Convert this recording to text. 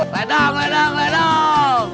ledang ledang ledang